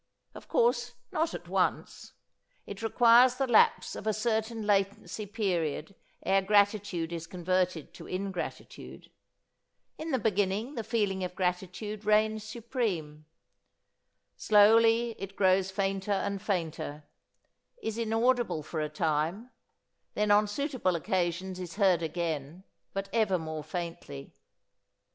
Of course, not at once. It requires the lapse of a certain latency period ere gratitude is converted to ingratitude. In the beginning the feeling of gratitude reigns supreme. Slowly it grows fainter and fainter, is inaudible for a time, then on suitable occasions is heard again but ever more faintly.